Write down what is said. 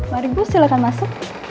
mari bu silahkan masuk